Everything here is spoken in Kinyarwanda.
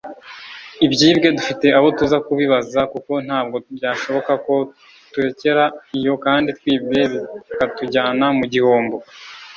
“Ibyibwe dufite abo tuza kubibaza kuko ntabwo byashoboka ko turekera iyo kandi twibwe bikatujyana mu gihombo”